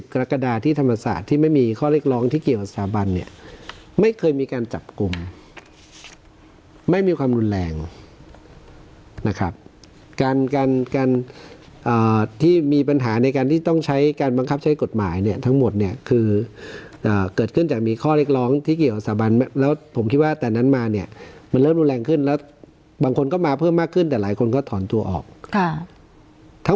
กรกฎาที่ธรรมศาสตร์ที่ไม่มีข้อเรียกร้องที่เกี่ยวกับสถาบันเนี่ยไม่เคยมีการจับกลุ่มไม่มีความรุนแรงนะครับการการที่มีปัญหาในการที่ต้องใช้การบังคับใช้กฎหมายเนี่ยทั้งหมดเนี่ยคือเกิดขึ้นจากมีข้อเรียกร้องที่เกี่ยวกับสถาบันแล้วผมคิดว่าแต่นั้นมาเนี่ยมันเริ่มรุนแรงขึ้นแล้วบางคนก็มาเพิ่มมากขึ้นแต่หลายคนก็ถอนตัวออกทั้ง